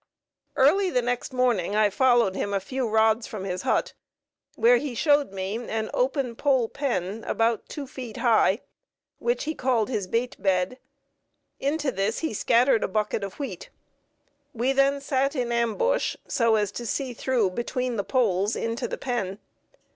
Early the next morning I followed him a few rods from his hut, where he showed me an open pole pen, about two feet high, which he called his bait bed. Into this he scattered a bucket of wheat. We then sat in ambush, so as to see through between the poles into the pen.